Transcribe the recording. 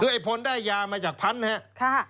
คือไอ้พลได้ยามาจากพันธุ์ครับ